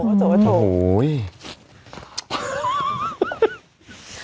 โอ้โหจงว่าถูก